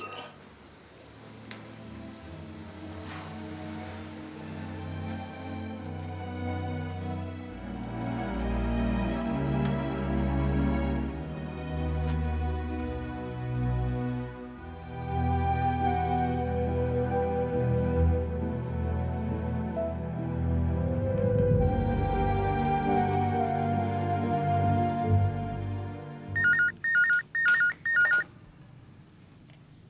kayaknya sih mau cuti